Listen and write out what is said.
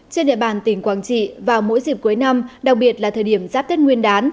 trên địa bàn tỉnh quảng trị vào mỗi dịp cuối năm đặc biệt là thời điểm giáp tết nguyên đán